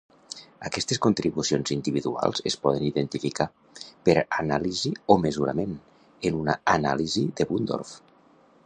Aquestes contribucions individuals es poden identificar, per anàlisi o mesurament, en una anàlisi de Bundorf.